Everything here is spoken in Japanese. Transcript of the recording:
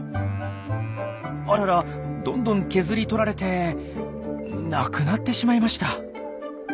あららどんどん削り取られて無くなってしまいました。